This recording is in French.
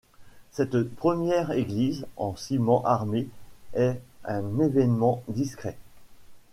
Cette première église en ciment armé est un événement discret.